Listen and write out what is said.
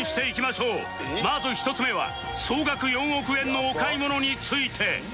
まず１つ目は総額４億円のお買い物について